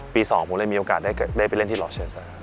ปี๒ผมได้มีโอกาสได้ไปเล่นที่ลอร์เชสต์